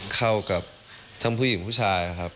เข้ากับทั้งผู้หญิงผู้ชายครับ